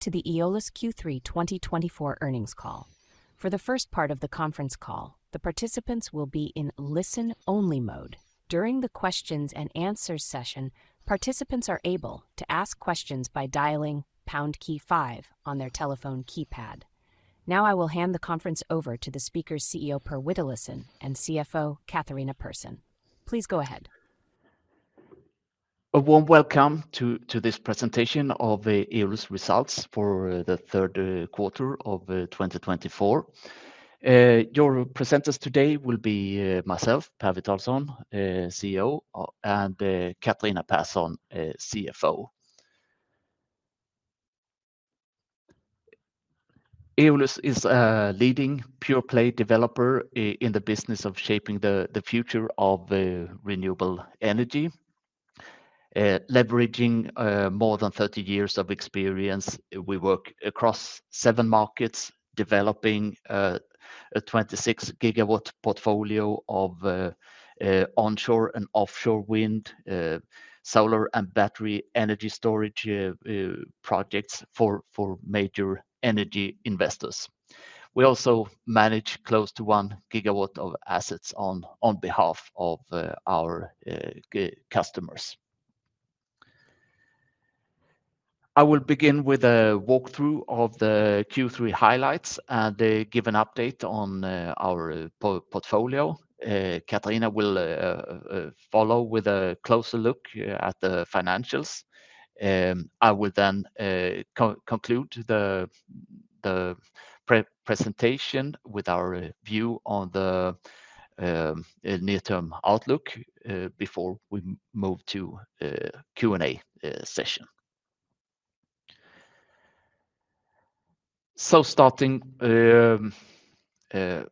To the Eolus Q3 2024 earnings call. For the first part of the conference call, the participants will be in listen-only mode. During the Q&A session, participants are able to ask questions by dialing #5 on their telephone keypad. Now I will hand the conference over to the speakers, CEO Per Witalisson and CFO Catharina Persson. Please go ahead. A warm welcome to this presentation of Eolus results for the Q3 of 2024. Your presenters today will be myself, Per Witalisson, CEO, and Catharina Persson, CFO. Eolus is a leading pure-play developer in the business of shaping the future of renewable energy. Leveraging more than 30 years of experience, we work across seven markets, developing a 26 GW portfolio of onshore and offshore wind, solar, and battery energy storage projects for major energy investors. We also manage close to 1 GW of assets on behalf of our customers. I will begin with a walkthrough of the Q3 highlights and give an update on our portfolio. Catharina will follow with a closer look at the financials. I will then conclude the presentation with our view on the near-term outlook before we move to the Q&A session. Starting with the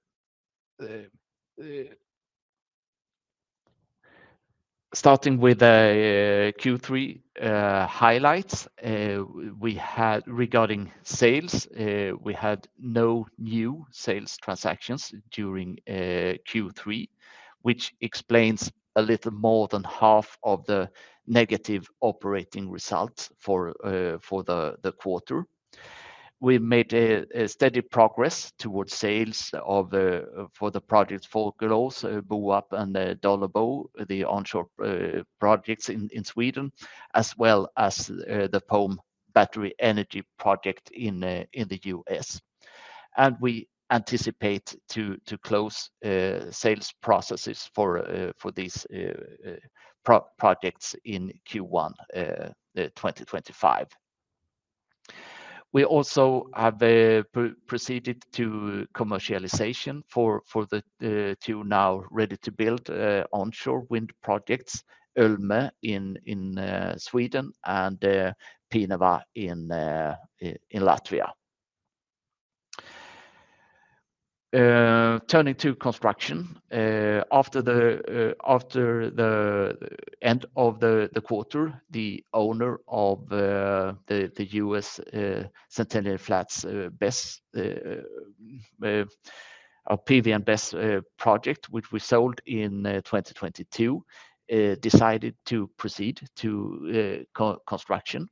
Q3 highlights regarding sales, we had no new sales transactions during Q3, which explains a little more than half of the negative operating results for the quarter. We made steady progress towards sales for the projects Fågelås, Boarp, and Dållebo, the onshore projects in Sweden, as well as the Pome battery energy project in the U.S. We anticipate to close sales processes for these projects in Q1 2025. We also have proceeded to commercialization for the two now ready-to-build onshore wind projects, Ölmö in Sweden and Pienava in Latvia. Turning to construction, after the end of the quarter, the owner of the U.S. Centennial Flats, our PV and BESS project, which we sold in 2022, decided to proceed to construction.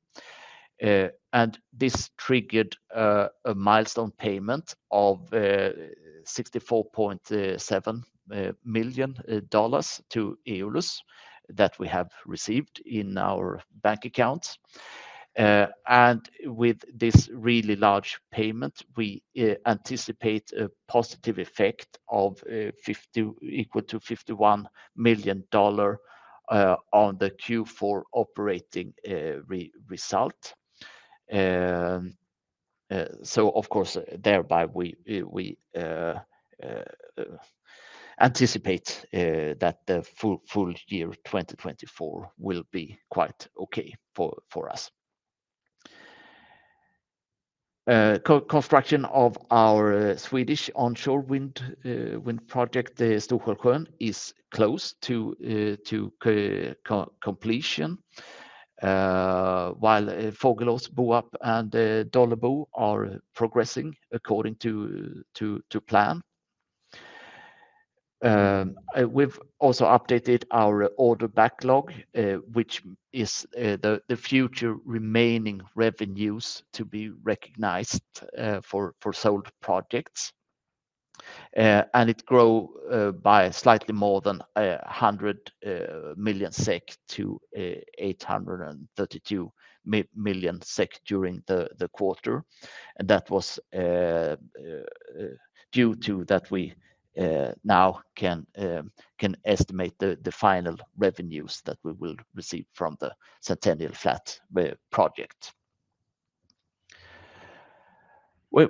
This triggered a milestone payment of $64.7 million to Eolus that we have received in our bank accounts. With this really large payment, we anticipate a positive effect equal to $51 million on the Q4 operating result. Of course, thereby we anticipate that the full year 2024 will be quite okay for us. Construction of our Swedish onshore wind project, Storsjön, is close to completion, while Fågelås, Boarp, and Dållebo are progressing according to plan. We've also updated our order backlog, which is the future remaining revenues to be recognized for sold projects. It grew by slightly more than 100 million SEK to 832 million SEK during the quarter. That was due to that we now can estimate the final revenues that we will receive from the Centennial Flats project.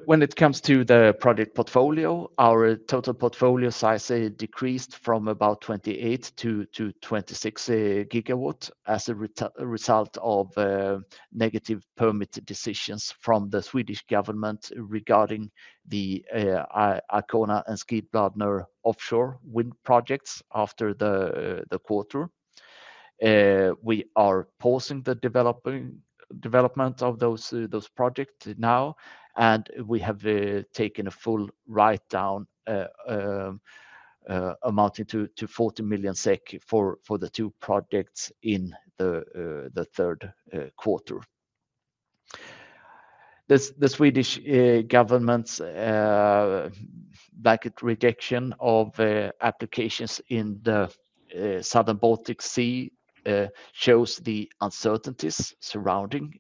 When it comes to the project portfolio, our total portfolio size decreased from about 28 to 26 GW as a result of negative permit decisions from the Swedish government regarding the Arkona and Skidbladner offshore wind projects after the quarter. We are pausing the development of those projects now, and we have taken a full write-down amounting to 40 million SEK for the two projects in the Q3. The Swedish government's blanket rejection of applications in the Southern Baltic Sea shows the uncertainties surrounding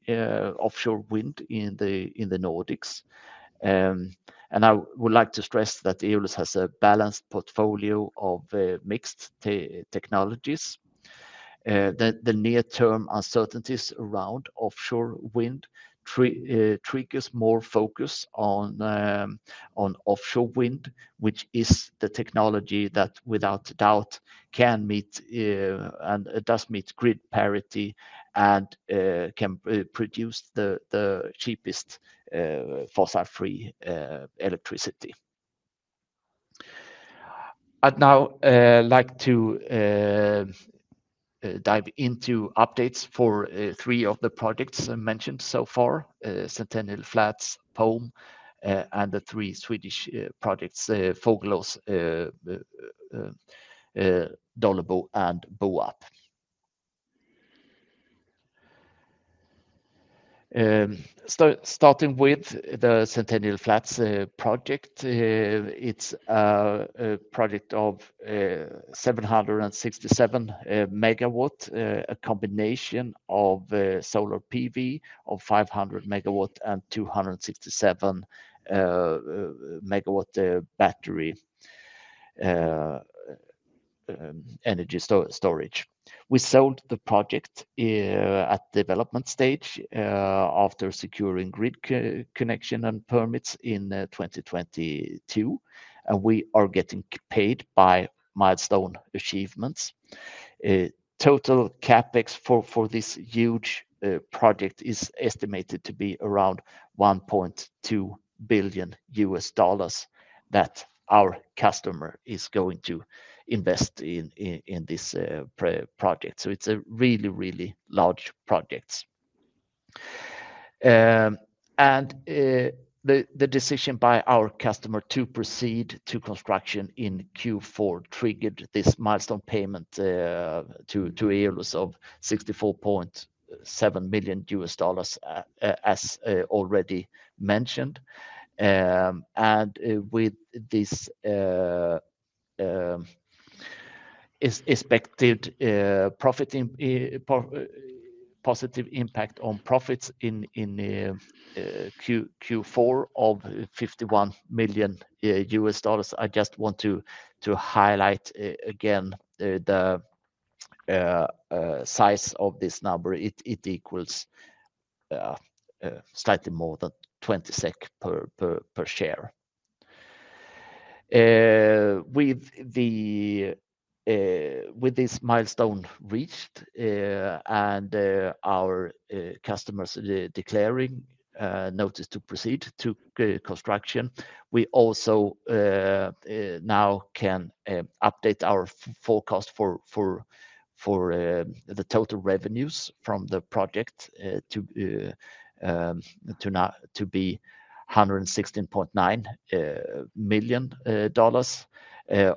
offshore wind in the Nordics. And I would like to stress that Eolus has a balanced portfolio of mixed technologies. The near-term uncertainties around offshore wind triggers more focus on offshore wind, which is the technology that without doubt can meet and does meet grid parity and can produce the cheapest fossil-free electricity. I'd now like to dive into updates for three of the projects mentioned so far, Centennial Flats, Pome, and the three Swedish projects, Fågelås, Dållebo, and Boarp. Starting with the Centennial Flats project, it's a project of 767 MW, a combination of solar PV of 500 MW and 267 MW battery energy storage. We sold the project at development stage after securing grid connection and permits in 2022, and we are getting paid by milestone achievements. Total Capex for this huge project is estimated to be around $1.2 billion that our customer is going to invest in this project. So it's a really, really large project, and the decision by our customer to proceed to construction in Q4 triggered this milestone payment to Eolus of $64.7 million, as already mentioned. With this expected positive impact on profits in Q4 of $51 million, I just want to highlight again the size of this number. It equals slightly more than 20 SEK per share. With this milestone reached and our customers declaring notice to proceed to construction, we also now can update our forecast for the total revenues from the project to be $116.9 million,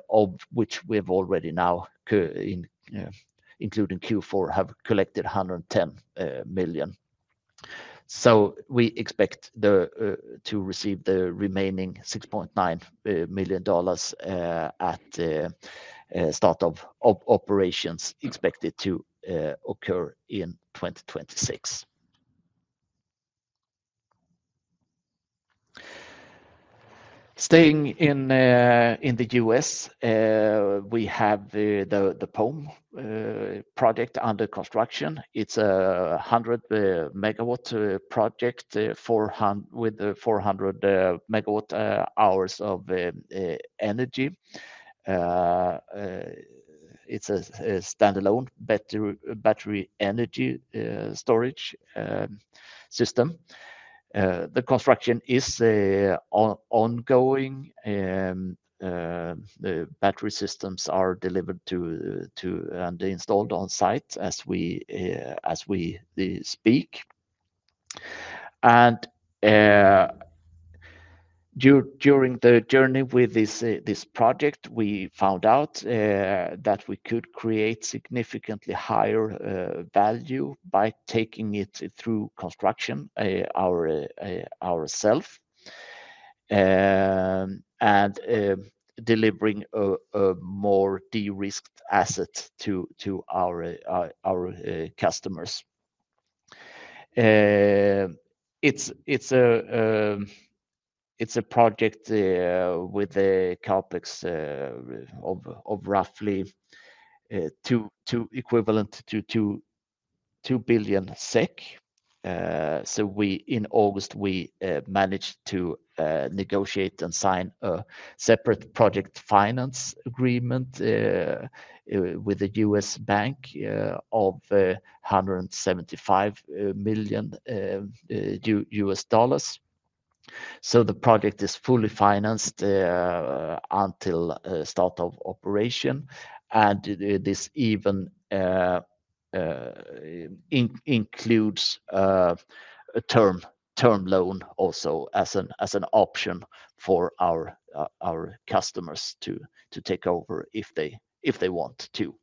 of which we have already now, including Q4, have collected $110 million. We expect to receive the remaining $6.9 million at start of operations expected to occur in 2026. Staying in the U.S., we have the Pome project under construction. It's a 100 MW project with 400 MWh of energy. It's a standalone battery energy storage system. The construction is ongoing. Battery systems are delivered and installed on site as we speak. And during the journey with this project, we found out that we could create significantly higher value by taking it through construction ourselves and delivering a more de-risked asset to our customers. It's a project with a CapEx of roughly equivalent to 2 billion SEK. So in August, we managed to negotiate and sign a separate project finance agreement with a U.S. bank of $175 million. So the project is fully financed until start of operation. And this even includes a term loan also as an option for our customers to take over if they want to.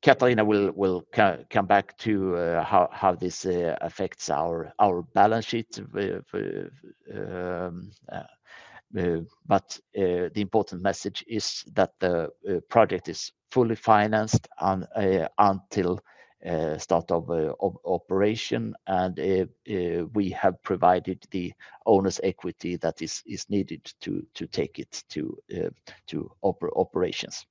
Catharina will come back to how this affects our balance sheet. But the important message is that the project is fully financed until start of operation, and we have provided the owner's equity that is needed to take it to operations.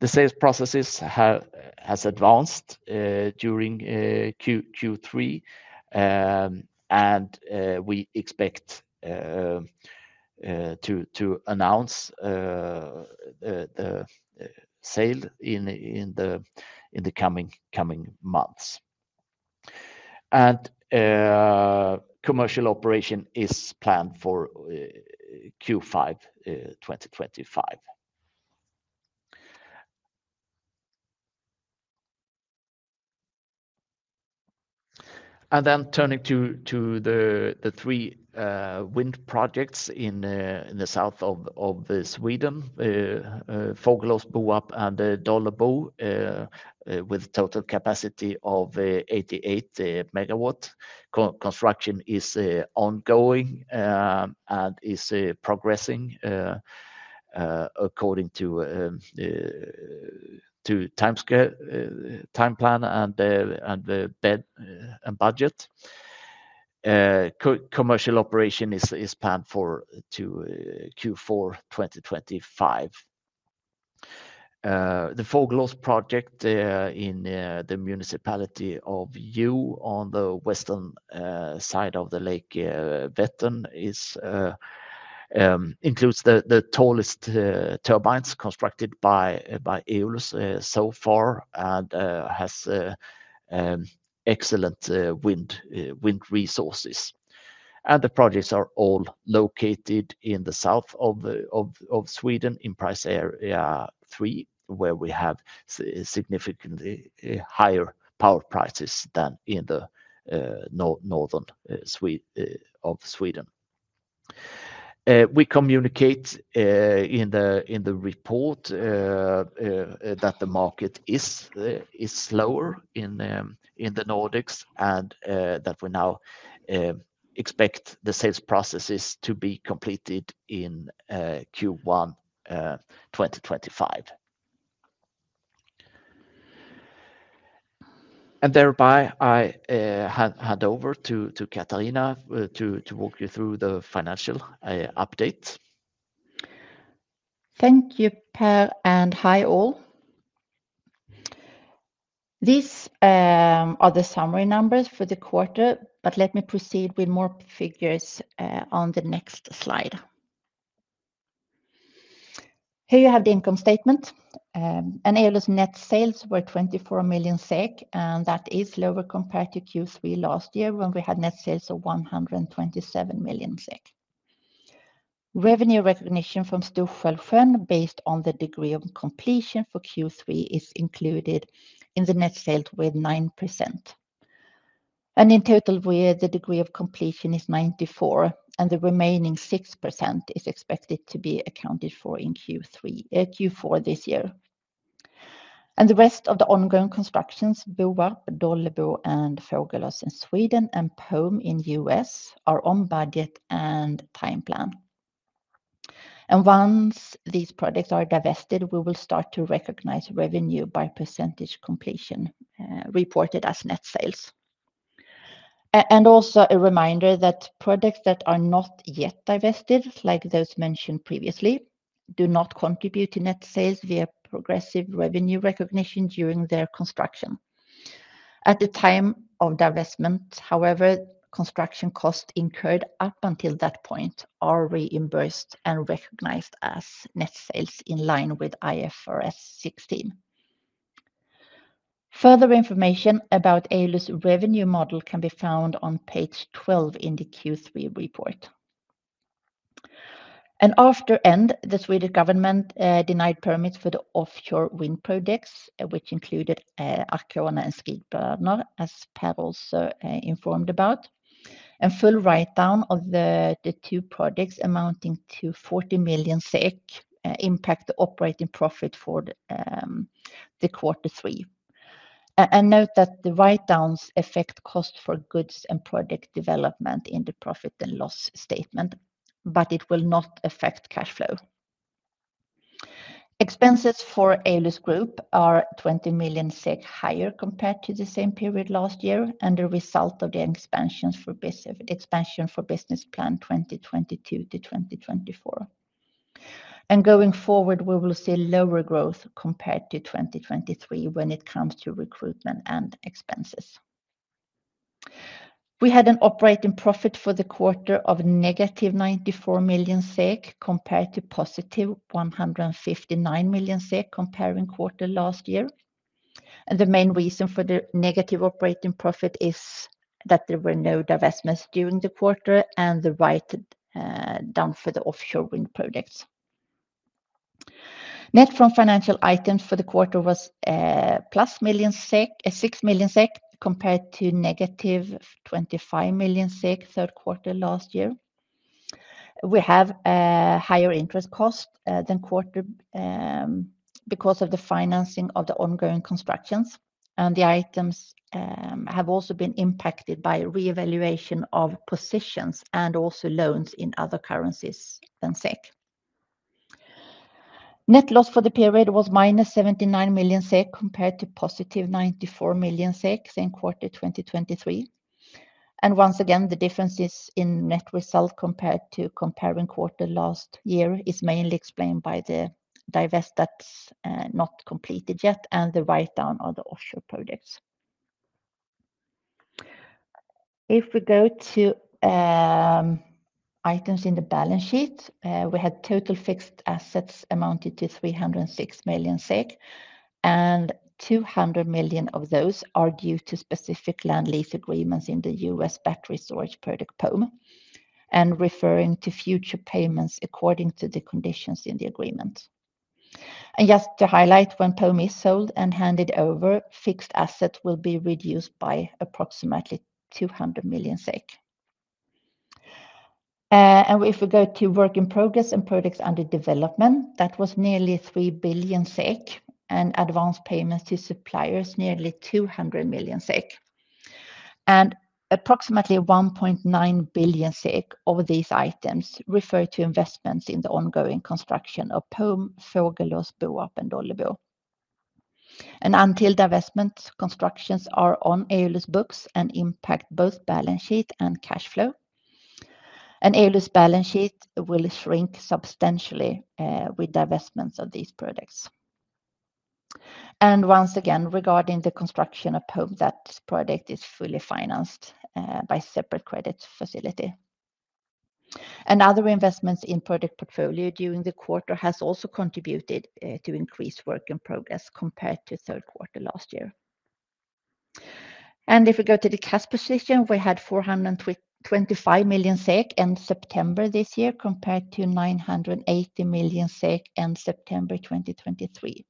The sales processes have advanced during Q3, and we expect to announce the sale in the coming months. And commercial operation is planned for Q1 2025. And then turning to the three wind projects in the south of Sweden, Fågelås, Boarp, and Dållebo, with a total capacity of 88 MW. Construction is ongoing and is progressing according to time plan and budget. Commercial operation is planned for Q4 2025. The Fågelås project in the municipality of Hjo, on the western side of the Lake Vättern, includes the tallest turbines constructed by Eolus so far and has excellent wind resources. And the projects are all located in the south of Sweden in price area 3, where we have significantly higher power prices than in the north of Sweden. We communicate in the report that the market is slower in the Nordics and that we now expect the sales processes to be completed in Q1 2025, and thereby, I hand over to Catharina to walk you through the financial updates. Thank you, Per, and hi all. These are the summary numbers for the quarter, but let me proceed with more figures on the next slide. Here you have the income statement, and Eolus' net sales were 24 million SEK, and that is lower compared to Q3 last year when we had net sales of 127 million SEK. Revenue recognition from Storsjön, based on the degree of completion for Q3, is included in the net sales with 9%, and in total, the degree of completion is 94%, and the remaining 6% is expected to be accounted for in Q4 this year. The rest of the ongoing constructions, Boarp, Dållebo, and Fågelås in Sweden, and Pome in U.S., are on budget and time plan. Once these projects are divested, we will start to recognize revenue by percentage completion reported as net sales. Also a reminder that projects that are not yet divested, like those mentioned previously, do not contribute to net sales via progressive revenue recognition during their construction. At the time of divestment, however, construction costs incurred up until that point are reimbursed and recognized as net sales in line with IFRS 16. Further information about Eolus' revenue model can be found on page 12 in the Q3 report. At the end, the Swedish government denied permits for the offshore wind projects, which included Arkona and Skidbladner, as Per also informed about. And full write-down of the two projects amounting to 40 million SEK impacted operating profit for the quarter three. And note that the write-downs affect costs for goods and project development in the profit and loss statement, but it will not affect cash flow. Expenses for Eolus Group are 20 million SEK higher compared to the same period last year and the result of the expansion for business plan 2022 to 2024. And going forward, we will see lower growth compared to 2023 when it comes to recruitment and expenses. We had an operating profit for the quarter of negative 94 million SEK compared to positive 159 million SEK comparing quarter last year. And the main reason for the negative operating profit is that there were no divestments during the quarter and the write-down for the offshore wind projects. Net from financial items for the quarter was plus 6 million compared to negative 25 million third quarter last year. We have a higher interest cost than quarter because of the financing of the ongoing constructions. And the items have also been impacted by reevaluation of positions and also loans in other currencies than SEK. Net loss for the period was minus 79 million SEK compared to positive 94 million SEK in quarter 2023. And once again, the differences in net result compared to comparing quarter last year is mainly explained by the divest that's not completed yet and the write-down of the offshore projects. If we go to items in the balance sheet, we had total fixed assets amounted to 306 million. And 200 million of those are due to specific land lease agreements in the U.S. battery storage project Pome and referring to future payments according to the conditions in the agreement. And just to highlight, when Pome is sold and handed over, fixed assets will be reduced by approximately 200 million SEK. And if we go to work in progress and projects under development, that was nearly 3 billion SEK and advanced payments to suppliers nearly 200 million SEK. And approximately 1.9 billion SEK of these items refer to investments in the ongoing construction of Pome, Fågelås, Boarp, and Dållebo. And until divestments, constructions are on Eolus books and impact both balance sheet and cash flow. And Eolus balance sheet will shrink substantially with divestments of these projects. And once again, regarding the construction of Pome, that project is fully financed by separate credit facility. Other investments in project portfolio during the quarter have also contributed to increased work in progress compared to Q3 last year. If we go to the cash position, we had 425 million SEK end September this year compared to 980 million SEK end September 2023.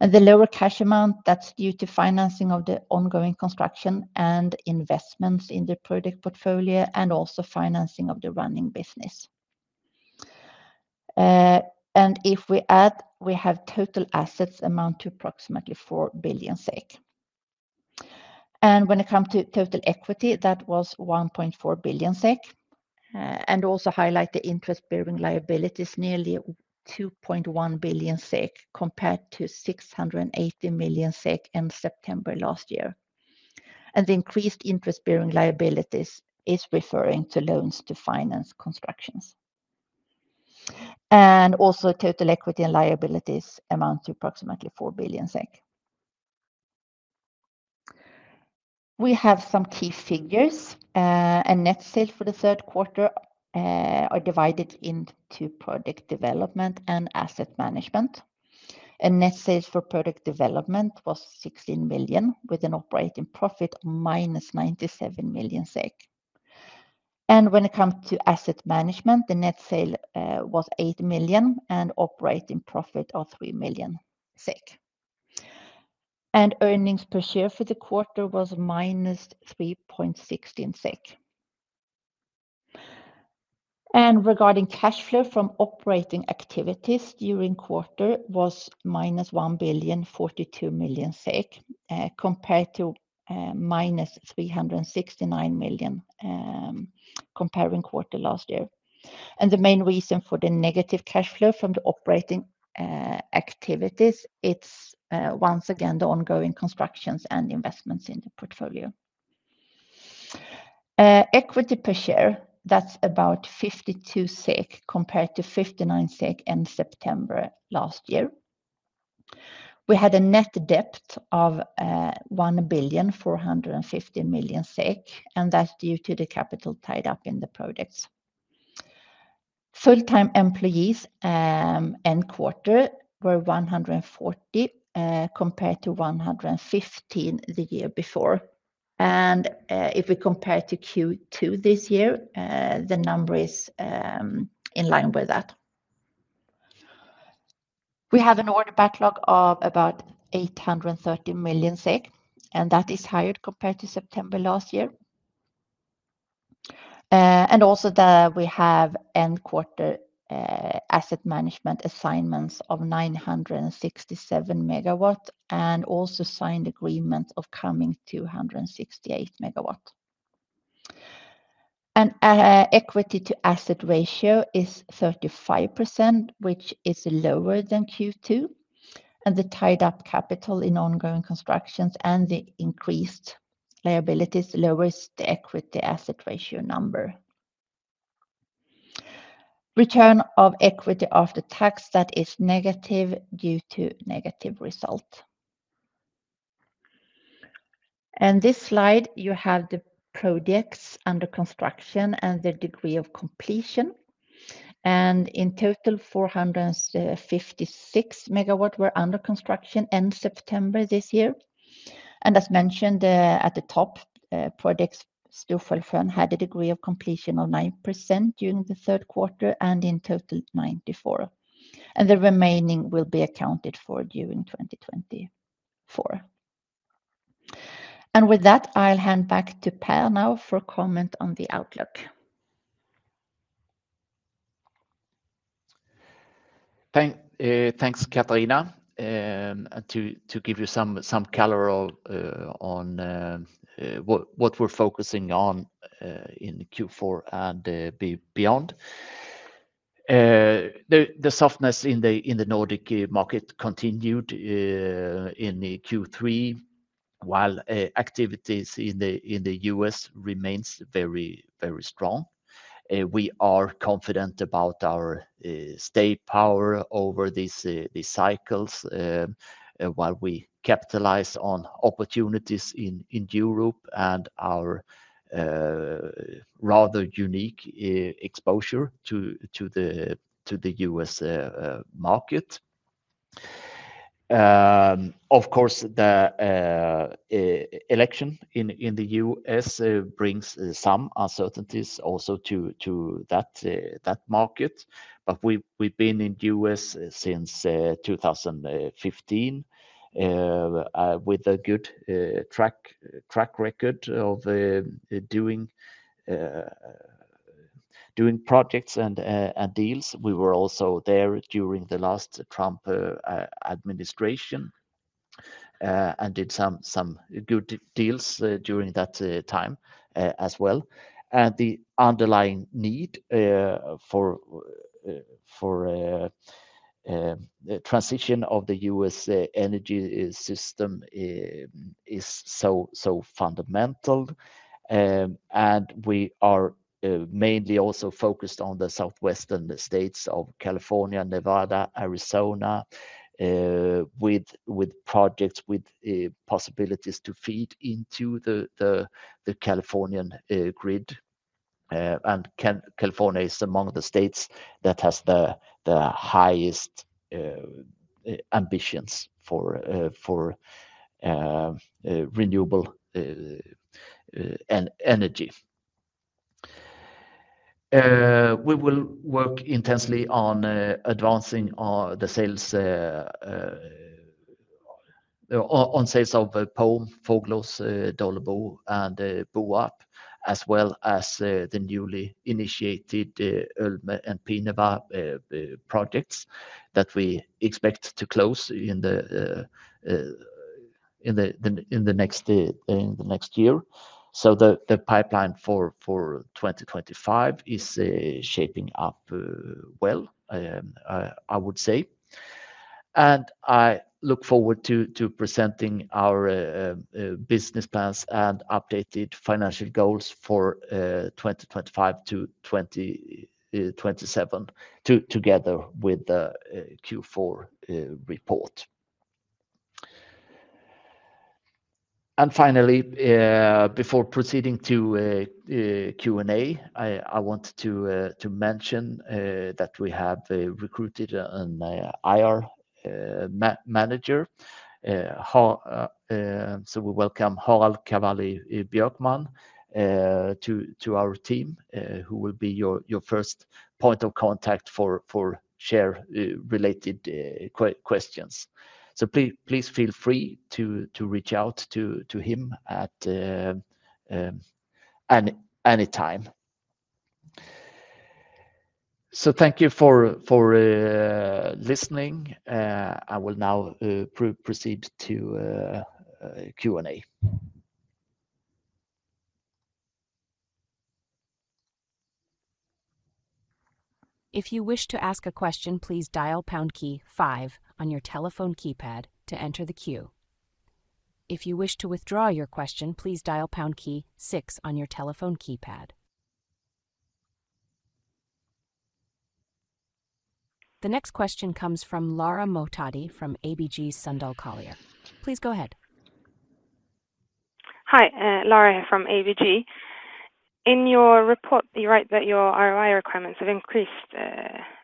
The lower cash amount, that's due to financing of the ongoing construction and investments in the project portfolio and also financing of the running business. If we add, we have total assets amount to approximately 4 billion SEK. When it comes to total equity, that was 1.4 billion SEK. Also highlight the interest-bearing liabilities, nearly 2.1 billion SEK compared to 680 million SEK end September last year. The increased interest-bearing liabilities is referring to loans to finance constructions. Also total equity and liabilities amount to approximately 4 billion SEK. We have some key figures. Net sales for the third quarter are divided into project development and asset management. Net sales for project development was 16 million with an operating profit of minus 97 million SEK. When it comes to asset management, the net sale was 8 million and operating profit of 3 million SEK. Earnings per share for the quarter was minus 3.16 SEK. Regarding cash flow from operating activities during quarter was minus 1 billion, 42 million compared to minus 369 million corresponding quarter last year. The main reason for the negative cash flow from the operating activities, it's once again the ongoing constructions and investments in the portfolio. Equity per share, that's about 52 SEK compared to 59 SEK end September last year. We had a net debt of 1 billion, 450 million, and that's due to the capital tied up in the projects. Full-time employees at end of quarter were 140 compared to 115 the year before, and if we compare to Q2 this year, the number is in line with that. We have an order backlog of about 830 million, and that is higher compared to September last year, and also we have end of quarter asset management assignments of 967 MW and also signed agreements of coming 268 MW, and equity to asset ratio is 35%, which is lower than Q2, and the tied up capital in ongoing constructions and the increased liabilities lowers the equity to asset ratio number. Return on equity after tax, that is negative due to negative result, and this slide, you have the projects under construction and the degree of completion, and in total, 456 MW were under construction end September this year. And as mentioned at the top, projects Storsjön had a degree of completion of 9% during the Q3 and in total 94%. And the remaining will be accounted for during 2024. And with that, I'll hand back to Per now for comment on the outlook. Thanks, Catharina. To give you some color on what we're focusing on in Q4 and beyond. The softness in the Nordic market continued in Q3, while activities in the U.S. remained very, very strong. We are confident about our staying power over these cycles while we capitalize on opportunities in Europe and our rather unique exposure to the U.S. market. Of course, the election in the U.S. brings some uncertainties also to that market. But we've been in the U.S. since 2015 with a good track record of doing projects and deals. We were also there during the last Trump administration and did some good deals during that time as well, and the underlying need for transition of the U.S. energy system is so fundamental, and we are mainly also focused on the southwestern states of California, Nevada, Arizona, with projects with possibilities to feed into the California grid, and California is among the states that has the highest ambitions for renewable energy. We will work intensely on advancing the sales of Pome, Fågelås, Dållebo, and Boarp, as well as the newly initiated Ölme and Pienava projects that we expect to close in the next year, so the pipeline for 2025 is shaping up well, I would say, and I look forward to presenting our business plans and updated financial goals for 2025 to 2027 together with the Q4 report. Finally, before proceeding to Q&A, I want to mention that we have recruited an IR manager. So we welcome Harald Cavali-Björkman to our team, who will be your first point of contact for share-related questions. So please feel free to reach out to him at any time. So thank you for listening. I will now proceed to Q&A. If you wish to ask a question, please dial pound key 5 on your telephone keypad to enter the queue. If you wish to withdraw your question, please dial pound key 6 on your telephone keypad. The next question comes from Lara Mohtadi from ABG Sundal Collier. Please go ahead. Hi, Lara from ABG. In your report, you write that your ROI requirements have increased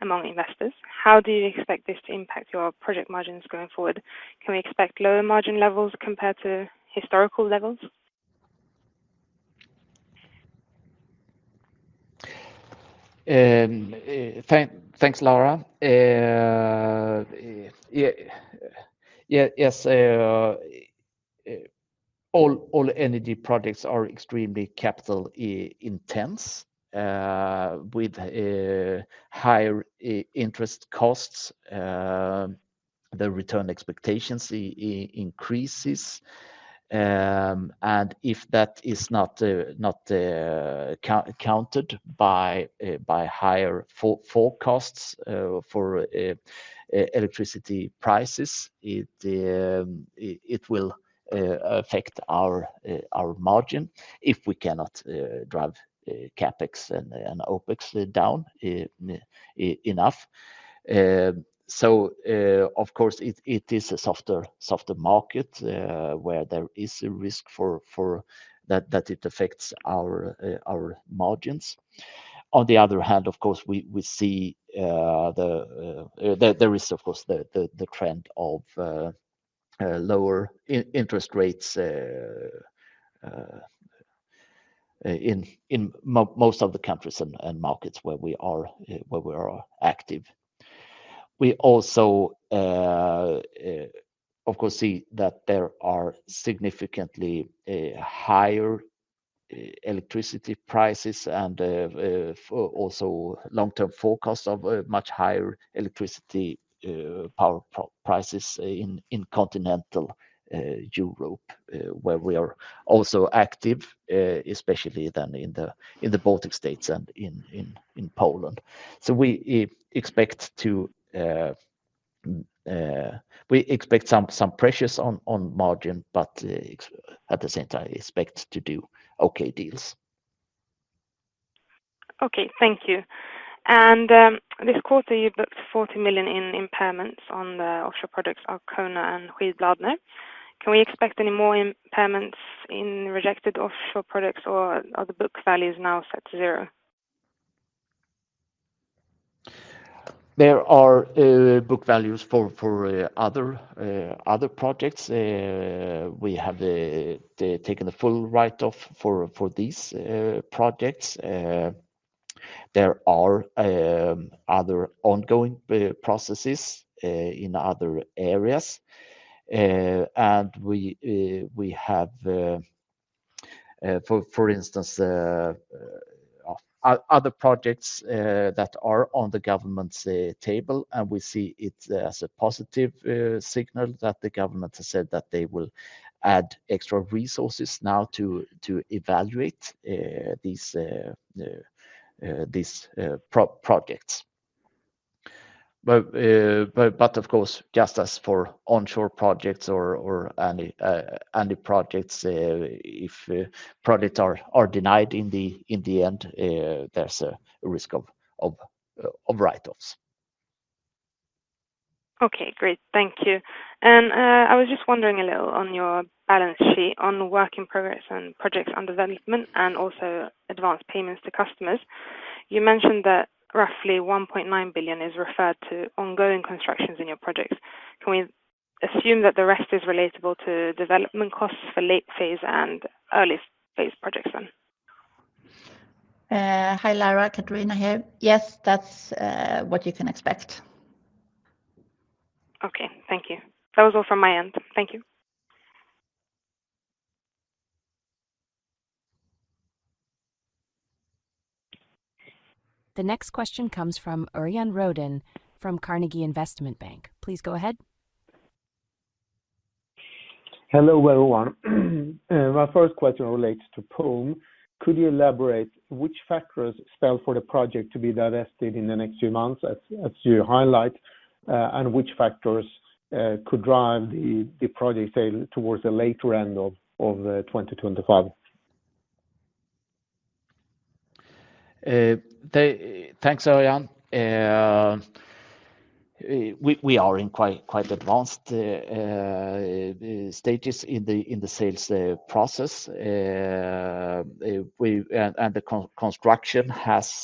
among investors. How do you expect this to impact your project margins going forward? Can we expect lower margin levels compared to historical levels? Thanks, Lara. Yes, all energy projects are extremely capital intensive with higher interest costs. The return expectations increase. And if that is not accounted by higher forecasts for electricity prices, it will affect our margin if we cannot drive CapEx and OpEx down enough. So of course, it is a softer market where there is a risk that it affects our margins. On the other hand, of course, we see there is, of course, the trend of lower interest rates in most of the countries and markets where we are active. We also, of course, see that there are significantly higher electricity prices and also long-term forecasts of much higher electricity power prices in continental Europe, where we are also active, especially then in the Baltic states and in Poland. So we expect some pressures on margin, but at the same time, expect to do okay deals. Okay, thank you. This quarter, you booked 40 million in impairments on the offshore projects of Arkona and Skidbladner. Can we expect any more impairments in rejected offshore projects or are the book values now set to zero? There are book values for other projects. We have taken the full write-off for these projects. There are other ongoing processes in other areas. And we have, for instance, other projects that are on the government's table, and we see it as a positive signal that the government has said that they will add extra resources now to evaluate these projects. But of course, just as for onshore projects or any projects, if projects are denied in the end, there's a risk of write-offs. Okay, great. Thank you. I was just wondering a little on your balance sheet on work in progress and projects under development and also advanced payments to customers. You mentioned that roughly 1.9 billion is referred to ongoing constructions in your projects. Can we assume that the rest is related to development costs for late phase and early phase projects then? Hi, Lara, Catharina here. Yes, that's what you can expect. Okay, thank you. That was all from my end. Thank you. The next question comes from Örjan Rödén from Carnegie Investment Bank. Please go ahead. Hello everyone. My first question relates to Pome. Could you elaborate which factors spell for the project to be divested in the next few months, as you highlight, and which factors could drive the project towards the later end of 2025? Thanks, Örjan. We are in quite advanced stages in the sales process, and the construction has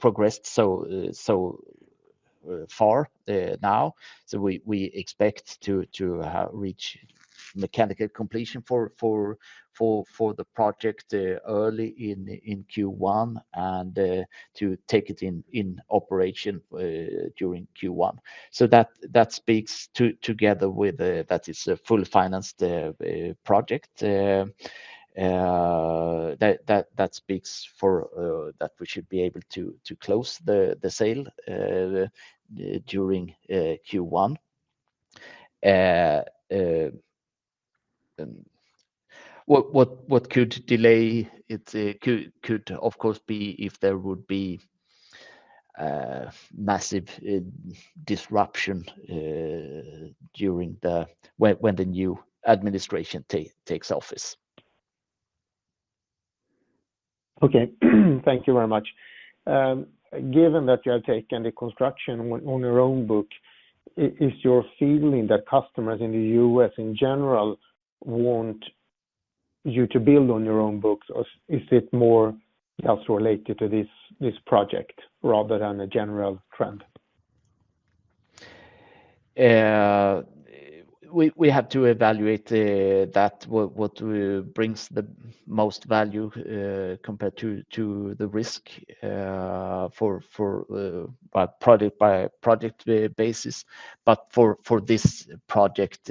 progressed so far now. So we expect to reach mechanical completion for the project early in Q1 and to take it in operation during Q1. So that speaks together with that it's a fully financed project. That speaks for that we should be able to close the sale during Q1. What could delay it, of course, be if there would be massive disruption during when the new administration takes office. Okay, thank you very much. Given that you have taken the construction on your own book, is your feeling that customers in the U.S. in general want you to build on your own books, or is it more just related to this project rather than a general trend? We have to evaluate what brings the most value compared to the risk for a project-by-project basis. But for this project,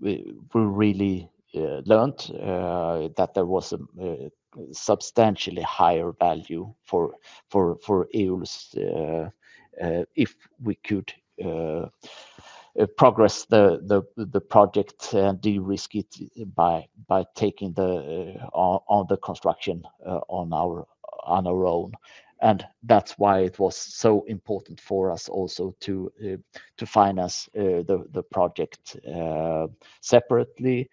we really learned that there was a substantially higher value for Eolus if we could progress the project and de-risk it by taking on the construction on our own. And that's why it was so important for us also to finance the project separately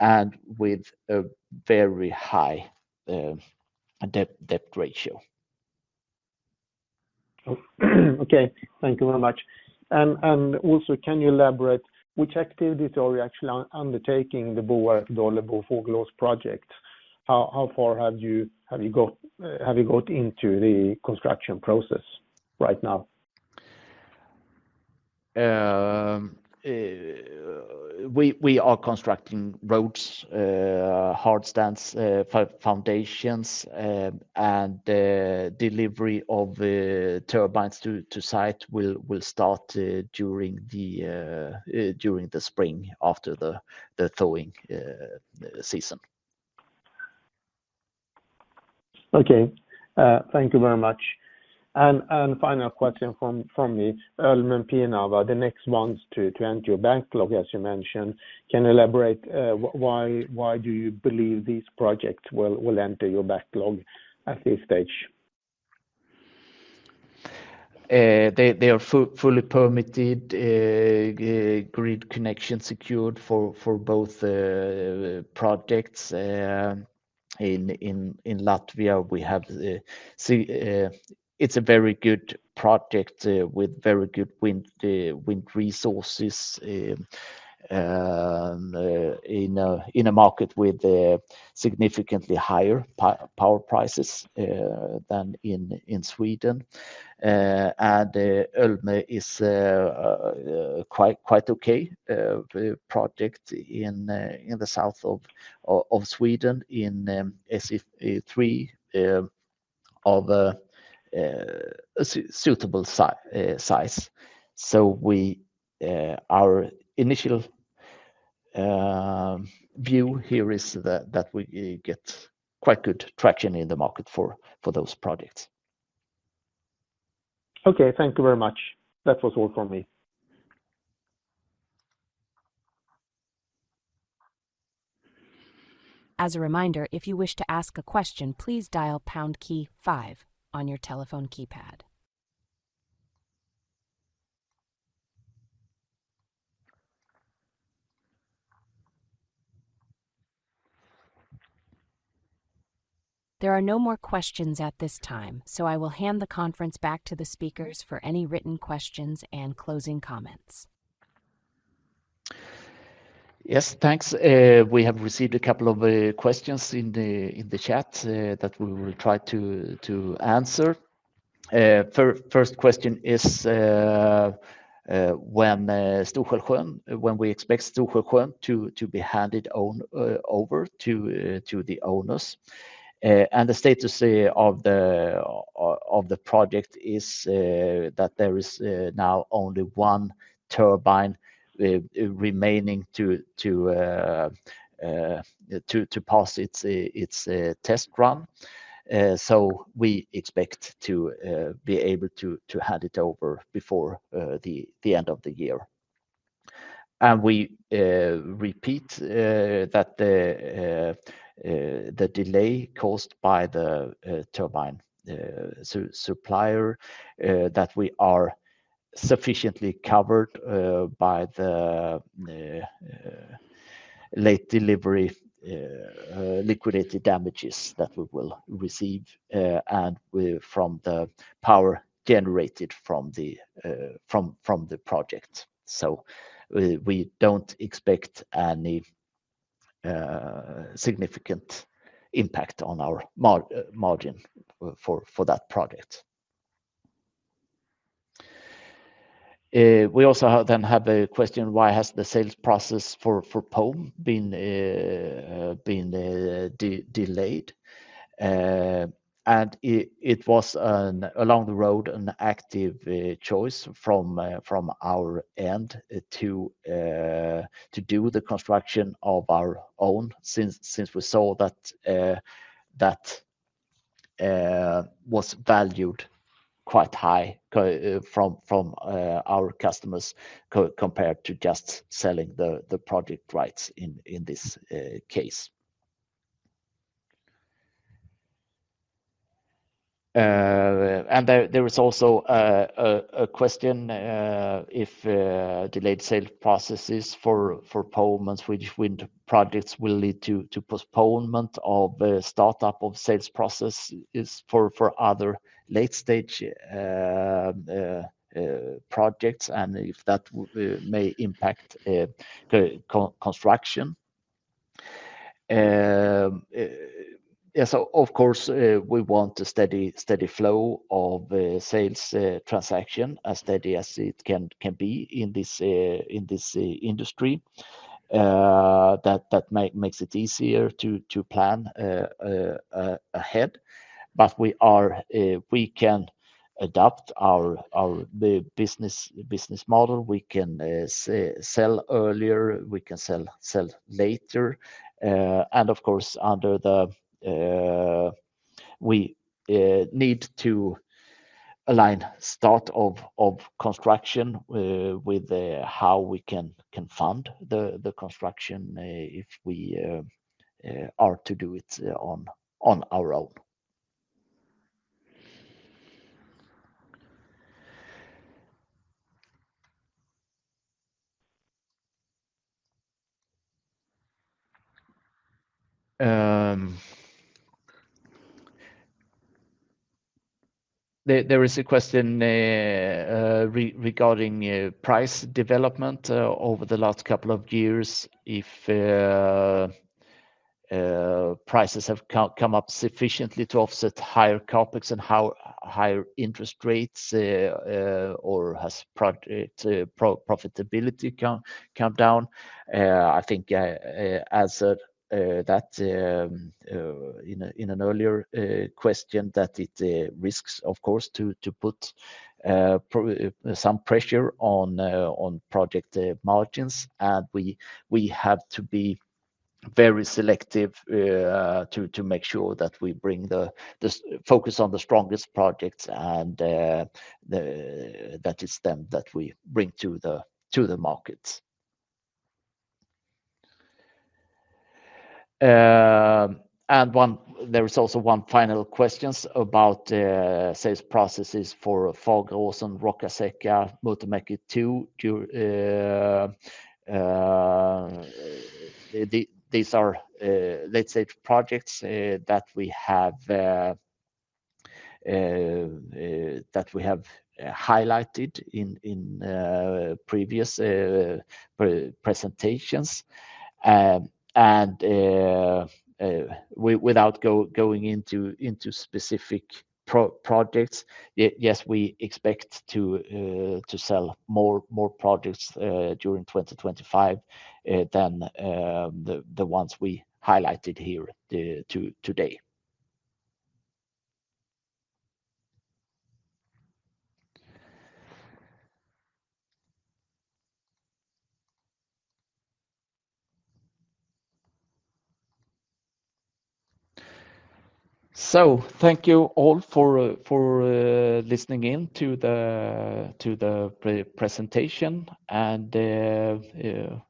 and with a very high debt ratio. Okay, thank you very much. And also, can you elaborate which activities are you actually undertaking the Boarp, Dållebo, Fågelås project? How far have you got into the construction process right now? We are constructing roads, hard stands, foundations, and delivery of turbines to site will start during the spring after the thawing season. Okay, thank you very much. And final question from me. Ölme and Pienava, the next months to enter your backlog, as you mentioned, can you elaborate why do you believe these projects will enter your backlog at this stage? They are fully permitted grid connections secured for both projects. In Latvia, we have, it's a very good project with very good wind resources in a market with significantly higher power prices than in Sweden. Ölmö is a quite okay project in the south of Sweden in SE3 of suitable size. Our initial view here is that we get quite good traction in the market for those projects. Okay, thank you very much. That was all from me. As a reminder, if you wish to ask a question, please dial pound key 5 on your telephone keypad. There are no more questions at this time, so I will hand the conference back to the speakers for any written questions and closing comments. Yes, thanks. We have received a couple of questions in the chat that we will try to answer. First question is when we expect Stor-Skälsjön to be handed over to the owners? The status of the project is that there is now only one turbine remaining to pass its test run. So we expect to be able to hand it over before the end of the year. And we repeat that the delay caused by the turbine supplier, that we are sufficiently covered by the late delivery liquidated damages that we will receive from the power generated from the project. So we don't expect any significant impact on our margin for that project. We also then have a question: why has the sales process for Pome been delayed? And it was along the road an active choice from our end to do the construction of our own since we saw that that was valued quite high from our customers compared to just selling the project rights in this case. And there is also a question: if delayed sales processes for Pome and Swedish wind projects will lead to postponement of startup of sales processes for other late-stage projects and if that may impact construction? Yes, of course, we want a steady flow of sales transaction, as steady as it can be in this industry. That makes it easier to plan ahead. But we can adapt our business model. We can sell earlier. We can sell later. And of course, under that we need to align start of construction with how we can fund the construction if we are to do it on our own. There is a question regarding price development over the last couple of years. If prices have come up sufficiently to offset higher Capex and higher interest rates or has project profitability come down? I think I answered that in an earlier question that it risks, of course, to put some pressure on project margins, and we have to be very selective to make sure that we bring the focus on the strongest projects and that it's them that we bring to the markets, and there is also one final question about sales processes for Fågelås, Rokkaseka, Murtemäki 2. These are late-stage projects that we have highlighted in previous presentations, and without going into specific projects, yes, we expect to sell more projects during 2025 than the ones we highlighted here today, so thank you all for listening in to the presentation, and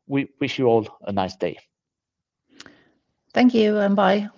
we wish you all a nice day. Thank you and bye.